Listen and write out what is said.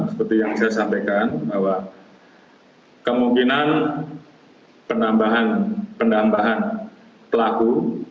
seperti yang saya sampaikan bahwa kemungkinan penambahan pelaku